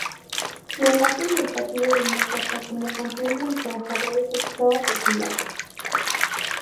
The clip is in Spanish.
La imagen del Partido Demócrata como campeón de los trabajadores empezaba a perfilarse.